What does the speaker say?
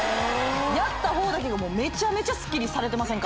やった方だけがめちゃめちゃスッキリされてませんか？